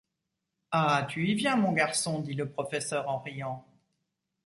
Ah ! tu y viens, mon garçon, dit le professeur en riant.